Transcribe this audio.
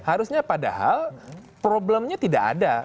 harusnya padahal problemnya tidak ada